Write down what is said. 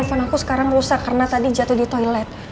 handphone aku sekarang rusak karena tadi jatuh di toilet